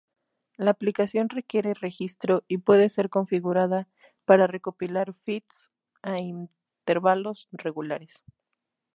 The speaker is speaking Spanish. La aplicación requiere registro y puede ser configurada para recopilar feeds a intervalos regulares.